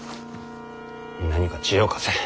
何か知恵を貸せ。